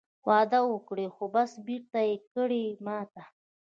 وعده وکړې خو بس بېرته یې کړې ماته